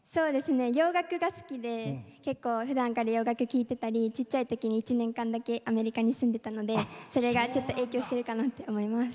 洋楽が好きで結構、ふだんから洋楽を聴いてたりちっちゃいころに１年間だけアメリカに住んでいたのでそれがちょっと影響しているかなと思います。